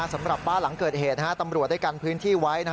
สำหรับบ้านหลังเกิดเหตุตำรวจได้กันพื้นที่ไว้